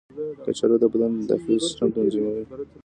کچالو د بدن د داخلي سیسټم تنظیموي.